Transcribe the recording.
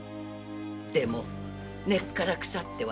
でも根っから腐ってはいません。